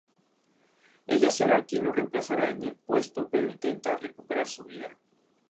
Sus verdugos negaron a su familia el funeral que habrían deseado organizar.